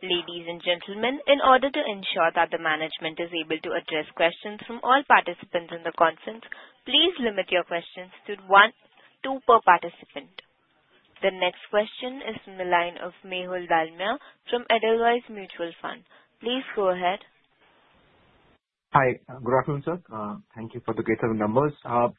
Ladies and gentlemen, in order to ensure that the management is able to address questions from all participants in the conference, please limit your questions to one to two per participant. The next question is from the line of Mehul Dalmia from Edelweiss Mutual Fund. Please go ahead. Hi. Good afternoon, sir. Thank you for the great numbers.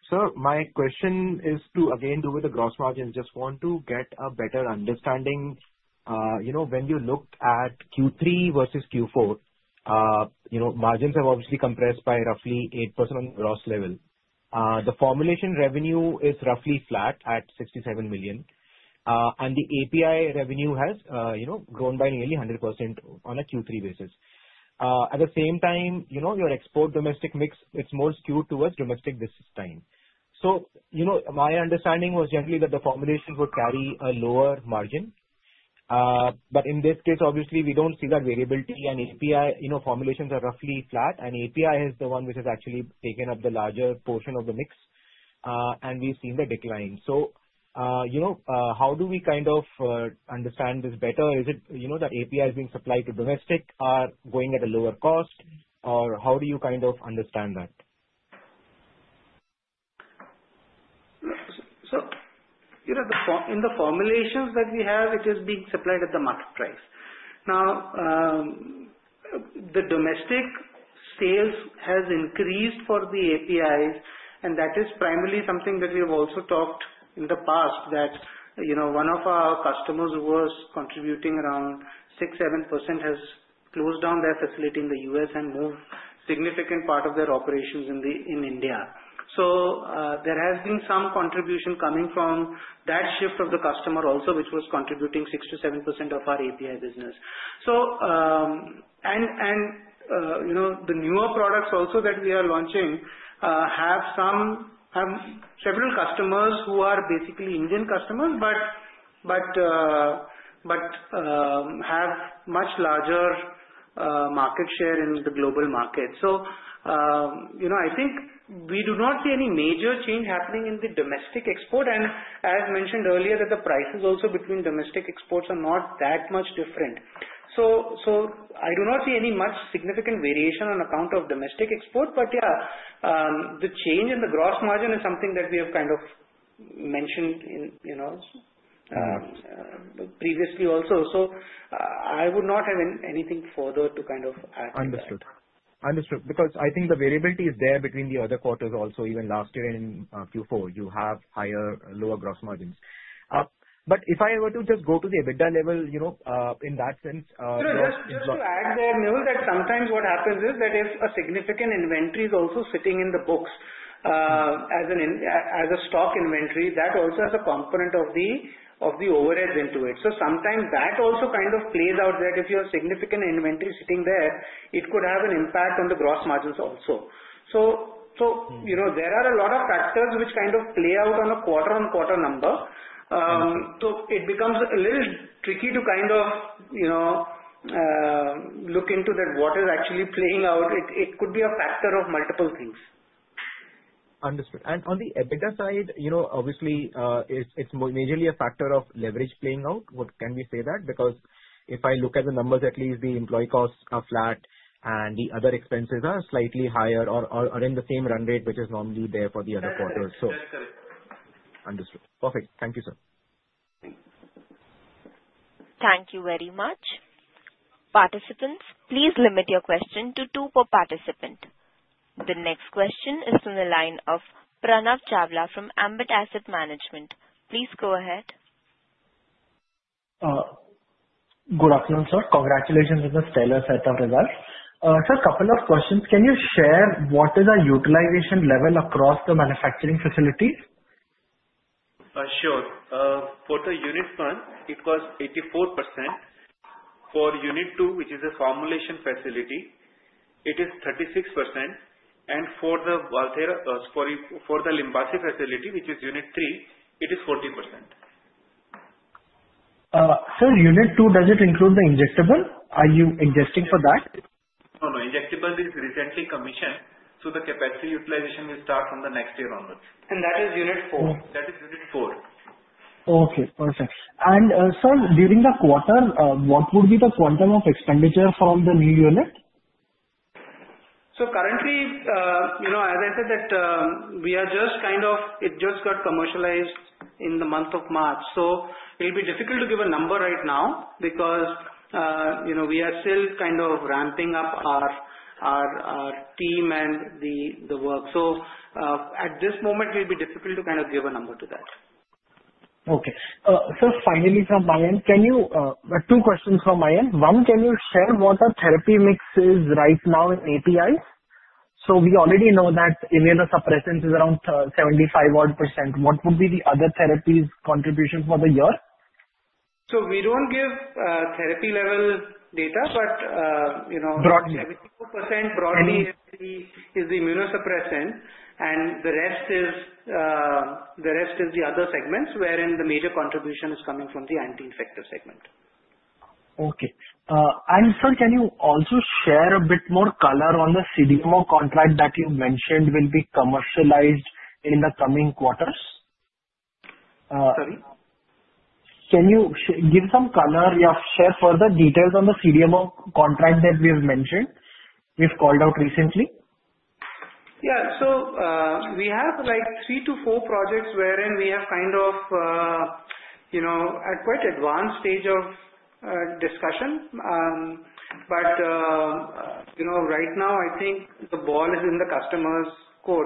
Sir, my question is to again do with the gross margins. Just want to get a better understanding. When you look at Q3 versus Q4, margins have obviously compressed by roughly 8% on the gross level. The formulation revenue is roughly flat at 67 million. And the API revenue has grown by nearly 100% on a Q3 basis. At the same time, your export domestic mix, it's more skewed towards domestic this time. My understanding was generally that the formulation would carry a lower margin. In this case, obviously, we do not see that variability. API formulations are roughly flat. API is the one which has actually taken up the larger portion of the mix. We have seen the decline. How do we kind of understand this better? Is it that API is being supplied to domestic or going at a lower cost? Or how do you kind of understand that? In the formulations that we have, it is being supplied at the market price. Now, the domestic sales has increased for the APIs. That is primarily something that we have also talked in the past, that one of our customers who was contributing around 6-7% has closed down their facility in the U.S. and moved a significant part of their operations in India. There has been some contribution coming from that shift of the customer also, which was contributing 6-7% of our API business. The newer products also that we are launching have several customers who are basically Indian customers but have much larger market share in the global market. I think we do not see any major change happening in the domestic export. As mentioned earlier, the prices also between domestic exports are not that much different. I do not see any much significant variation on account of domestic export. Yeah, the change in the gross margin is something that we have kind of mentioned previously also. I would not have anything further to kind of add. Understood. Understood. I think the variability is there between the other quarters also, even last year and in Q4, you have higher, lower gross margins. If I were to just go to the EBITDA level in that sense. Just to add there, Nehul, that sometimes what happens is that if a significant inventory is also sitting in the books as a stock inventory, that also has a component of the overhead into it. Sometimes that also kind of plays out that if you have significant inventory sitting there, it could have an impact on the gross margins also. There are a lot of factors which kind of play out on a quarter-on-quarter number. It becomes a little tricky to kind of look into that what is actually playing out. It could be a factor of multiple things. Understood. On the EBITDA side, obviously, it is majorly a factor of leverage playing out. Can we say that? If I look at the numbers, at least the employee costs are flat, and the other expenses are slightly higher or in the same run rate which is normally there for the other quarters. That's correct. Understood. Perfect. Thank you, sir. Thank you. Thank you very much. Participants, please limit your question to two per participant. The next question is from the line of Pranav Chawla from Ambit Asset Management. Please go ahead. Good afternoon, sir. Congratulations on the stellar set of results. Sir, a couple of questions. Can you share what is the utilization level across the manufacturing facility? Sure. For the unit one, it was 84%. For unit two, which is a formulation facility, it is 36%. For the Limbase facility, which is unit three, it is 40%. Sir, unit two, does it include the injectable? Are you ingesting for that? No, no. Injectable is recently commissioned. The capacity utilization will start from the next year onwards. That is Unit 4..That is Unit 4.. Okay. Perfect. Sir, during the quarter, what would be the quantum of expenditure from the new unit? Currently, as I said, we are just kind of, it just got commercialized in the month of March. It will be difficult to give a number right now because we are still kind of ramping up our team and the work. At this moment, it will be difficult to kind of give a number to that. Okay. So finally, from my end, can you, two questions from my end. One, can you share what the therapy mix is right now in APIs? So we already know that immunosuppressant is around 75-odd %. What would be the other therapies' contribution for the year? We don't give therapy level data, but 74% broadly is the immunosuppressant. The rest is the other segments, wherein the major contribution is coming from the anti-infective segment. Okay. Sir, can you also share a bit more color on the CDMO contract that you mentioned will be commercialized in the coming quarters? Sorry? Can you give some color or share further details on the CDMO contract that we have mentioned we've called out recently? Yeah. We have three to four projects wherein we have kind of at quite advanced stage of discussion. Right now, I think the ball is in the customer's court.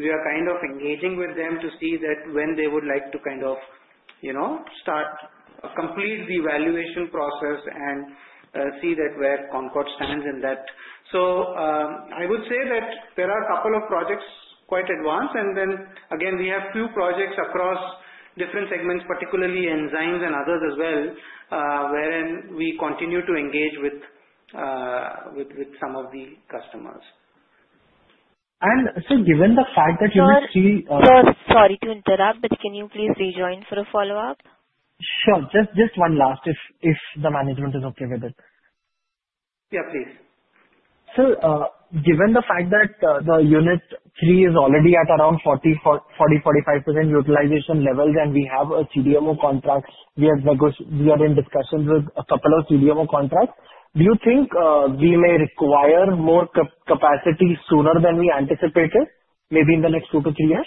We are kind of engaging with them to see when they would like to start, complete the evaluation process, and see where Concord stands in that. I would say that there are a couple of projects quite advanced. We have few projects across different segments, particularly enzymes and others as well, wherein we continue to engage with some of the customers. Sir, given the fact that you see-. Sorry to interrupt, but can you please rejoin for a follow-up? Sure. Just one last, if the management is okay with it. Yeah, please. Sir, given the fact that the unit three is already at around 40-45% utilization level, and we have a CDMO contract, we are in discussion with a couple of CDMO contracts. Do you think we may require more capacity sooner than we anticipated, maybe in the next two to three years?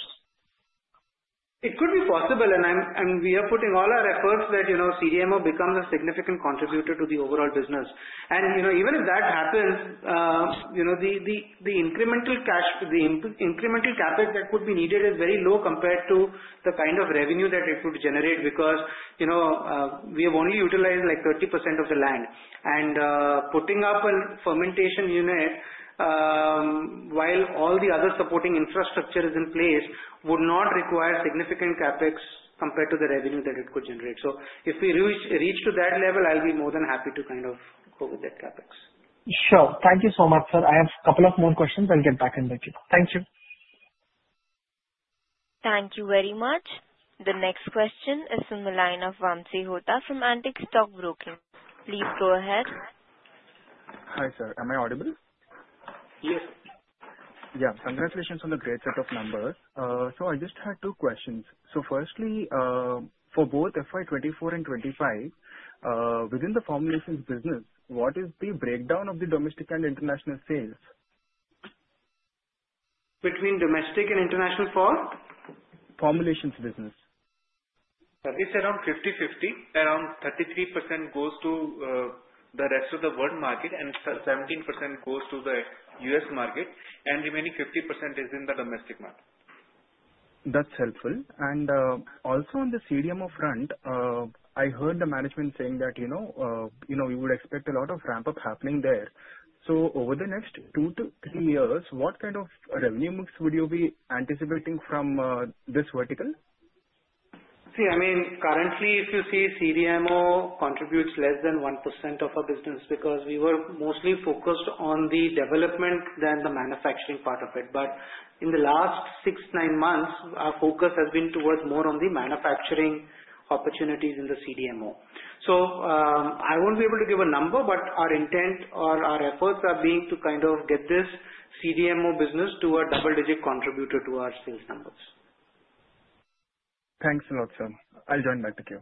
It could be possible. We are putting all our efforts that CDMO becomes a significant contributor to the overall business. Even if that happens, the incremental capital that would be needed is very low compared to the kind of revenue that it would generate because we have only utilized 30% of the land. Putting up a fermentation unit while all the other supporting infrastructure is in place would not require significant CapEx compared to the revenue that it could generate. If we reach to that level, I'll be more than happy to kind of go with that CapEx. Sure. Thank you so much, sir. I have a couple of more questions. I'll get back in a bit. Thank you. Thank you very much. The next question is from the line of Vamsi Hota from Antique Stock Broking. Please go ahead. Hi sir. Am I audible? Yes. Yeah. Congratulations on the great set of numbers. I just had two questions. Firstly, for both FY 2024 and 2025, within the formulations business, what is the breakdown of the domestic and international sales? Between domestic and international for? Formulations business. It's around 50/50. Around 33% goes to the rest of the world market, 17% goes to the U.S. market, and remaining 50% is in the domestic market. That's helpful. Also, on the CDMO front, I heard the management saying that you would expect a lot of ramp-up happening there. Over the next two to three years, what kind of revenue mix would you be anticipating from this vertical? See, I mean, currently, if you see CDMO contributes less than 1% of our business because we were mostly focused on the development than the manufacturing part of it. In the last six-nine months, our focus has been towards more on the manufacturing opportunities in the CDMO. I won't be able to give a number, but our intent or our efforts are being to kind of get this CDMO business to a double-digit contributor to our sales numbers. Thanks a lot, sir. I'll join back to you.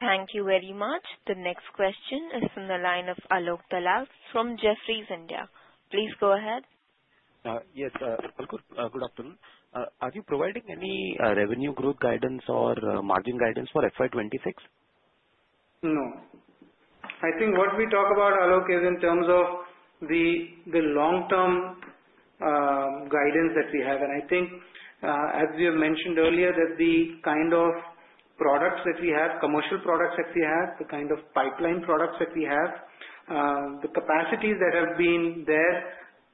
Thank you very much. The next question is from the line of Alok Dalal from Jefferies India. Please go ahead. Yes. Alok, good afternoon. Are you providing any revenue growth guidance or margin guidance for FY 2026? No. I think what we talk about, Alok, is in terms of the long-term guidance that we have. I think, as we have mentioned earlier, that the kind of products that we have, commercial products that we have, the kind of pipeline products that we have, the capacities that have been there,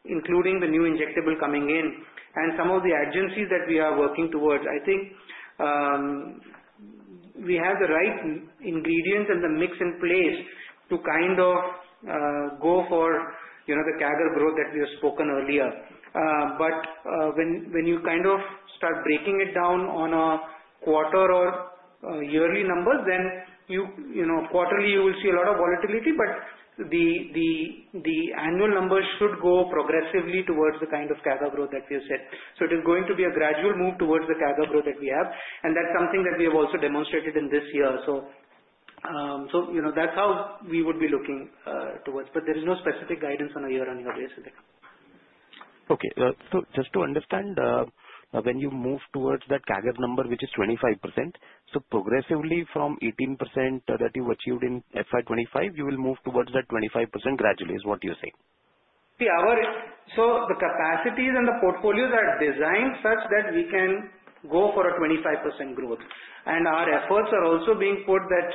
including the new injectable coming in, and some of the agencies that we are working towards, I think we have the right ingredients and the mix in place to kind of go for the CAGR growth that we have spoken earlier. When you kind of start breaking it down on a quarter or yearly numbers, then quarterly, you will see a lot of volatility. The annual numbers should go progressively towards the kind of CAGR growth that we have set. It is going to be a gradual move towards the CAGR growth that we have. That is something that we have also demonstrated in this year. That is how we would be looking towards. There is no specific guidance on a year-on-year basis. Okay. So just to understand, when you move towards that CAGR number, which is 25 %, so progressively from 18% that you've achieved in FY 2025, you will move towards that 25 % gradually, is what you're saying? See, the capacities and the portfolios are designed such that we can go for a 25 % growth. Our efforts are also being put that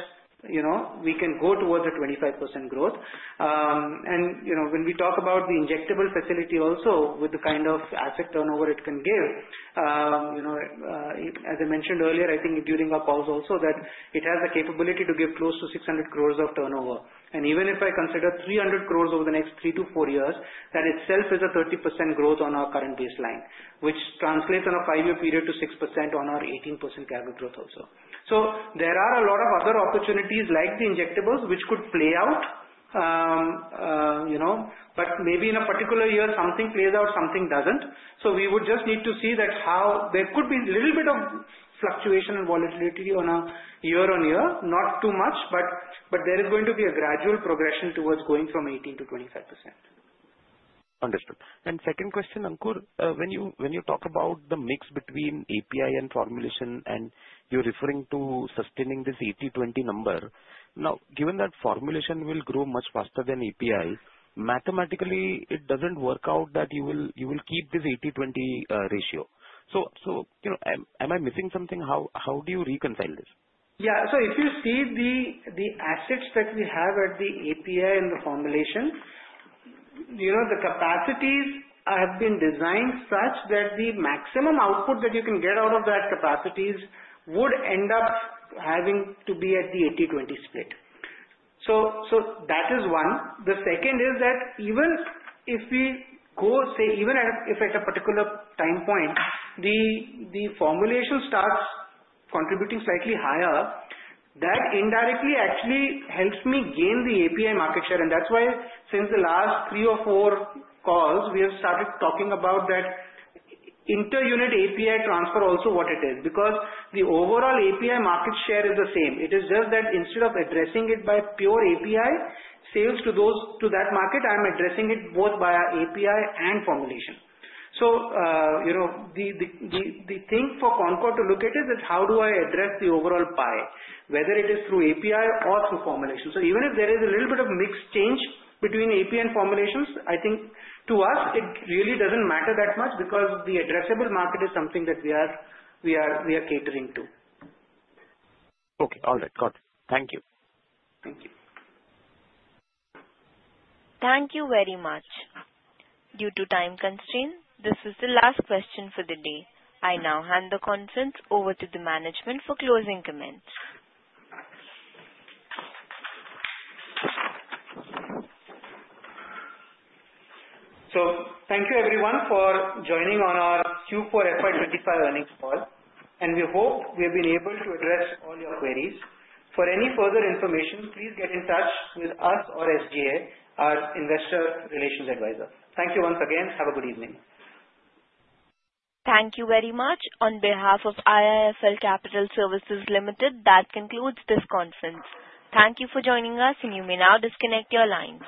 we can go towards a 25 % growth. When we talk about the injectable facility also, with the kind of asset turnover it can give, as I mentioned earlier, I think during our calls also, it has the capability to give close to ₹600 crore of turnover. Even if I consider 300 crore over the next three to four years, that itself is a 30% growth on our current baseline, which translates on a five-year period to 6% on our 18 % CAGR growth also. There are a lot of other opportunities like the injectables which could play out. Maybe in a particular year, something plays out, something does not. We would just need to see that there could be a little bit of fluctuation and volatility on a year-on-year, not too much. There is going to be a gradual progression towards going from 18% to 25 %. Understood. Second question, Ankur, when you talk about the mix between API and formulation, and you're referring to sustaining this 80/20 number, now, given that formulation will grow much faster than API, mathematically, it does not work out that you will keep this 80/20 ratio. Am I missing something? How do you reconcile this? Yeah. If you see the assets that we have at the API and the formulation, the capacities have been designed such that the maximum output that you can get out of that capacities would end up having to be at the 80/20 split. That is one. The second is that even if we go, say, even if at a particular time point, the formulation starts contributing slightly higher, that indirectly actually helps me gain the API market share. That is why, since the last three or four calls, we have started talking about that inter-unit API transfer also, what it is, because the overall API market share is the same. It is just that instead of addressing it by pure API sales to that market, I am addressing it both via API and formulation. The thing for Concord to look at is that how do I address the overall pie, whether it is through API or through formulation. Even if there is a little bit of mix change between API and formulations, I think to us, it really does not matter that much because the addressable market is something that we are catering to. Okay. All right. Got it. Thank you. Thank you. Thank you very much. Due to time constraint, this is the last question for the day. I now hand the conference over to the management for closing comments. Thank you, everyone, for joining on our Q4 FY 2025 earnings call. We hope we have been able to address all your queries. For any further information, please get in touch with us or SGA, our investor relations advisor. Thank you once again. Have a good evening. Thank you very much. On behalf of IISL Capital Services Limited, that concludes this conference. Thank you for joining us, and you may now disconnect your line.